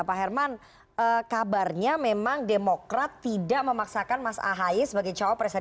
pak herman kabarnya memang demokrat tidak memaksakan mas ahayi sebagai cowok presiden